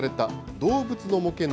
動物の模型の？